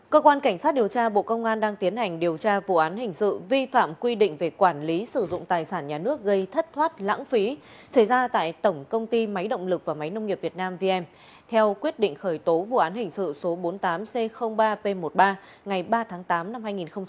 cơ quan cảnh sát điều tra bộ công an đang tiến hành điều tra vụ án hình sự vi phạm quy định về quản lý sử dụng tài sản nhà nước gây thất thoát lãng phí xảy ra tại tổng công ty máy động lực và máy nông nghiệp việt nam vn theo quyết định khởi tố vụ án hình sự số bốn mươi tám c ba p một mươi ba ngày ba tháng tám năm hai nghìn hai mươi ba